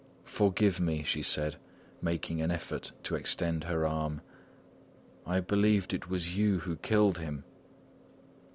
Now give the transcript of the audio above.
"Forgive me," she said, making an effort to extend her arm, "I believed it was you who killed him!"